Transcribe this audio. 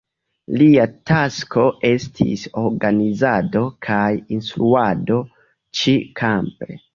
Lia tasko estis organizado kaj instruado ĉi-kampe.